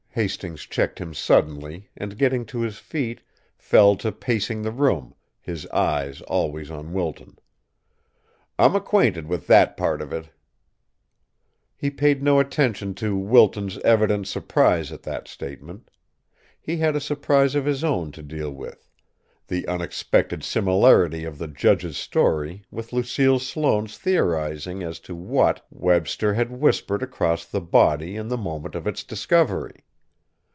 Hastings checked him suddenly, and, getting to his feet, fell to pacing the room, his eyes, always on Wilton. "I'm acquainted with that part of it." He paid no attention to Wilton's evident surprise at that statement. He had a surprise of his own to deal with: the unexpected similarity of the judge's story with Lucille Sloane's theorizing as to what Webster had whispered across the body in the moment of its discovery.